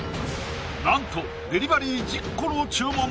なんとデリバリー１０個の注文！